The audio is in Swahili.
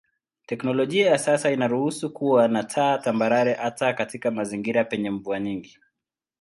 Teknolojia ya kisasa inaruhusu kuwa na taa tambarare hata katika mazingira penye mvua nyingi.